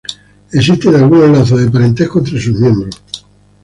Existen algunos lazos de parentesco entre sus miembros.